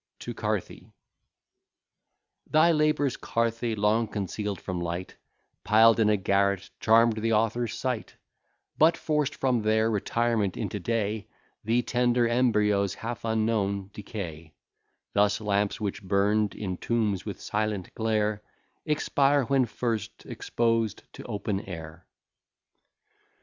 TO CARTHY Thy labours, Carthy, long conceal'd from light, Piled in a garret, charm'd the author's sight, But forced from their retirement into day, The tender embryos half unknown decay; Thus lamps which burn'd in tombs with silent glare, Expire when first exposed to open air.